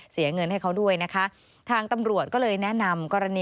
เสียเงินให้เขาด้วยนะคะ